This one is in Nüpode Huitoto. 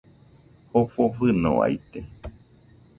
Jofo fɨnoaite